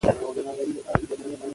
ورځ په ورځ له خپل مقصد څخه لېر کېږم .